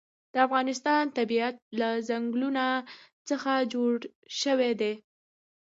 د افغانستان طبیعت له ځنګلونه څخه جوړ شوی دی.